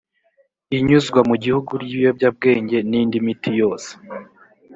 inyuzwa mu gihugu ry’ibiyobyabwenge n’indi miti yose